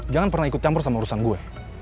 jangan pernah ikut campur sama urusan gue